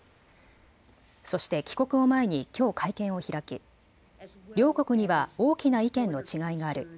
そして帰国を前にきょう会見を開き、両国には大きな意見の違いがある。